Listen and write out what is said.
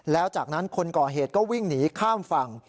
แล้วจากนั้นคนก่อเหตุก็วิ่งหนีข้ามฝั่ง